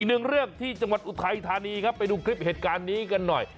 หนึ่งเรื่องที่จังหวัดอุทัยธานีครับไปดูคลิปเหตุการณ์นี้กันหน่อย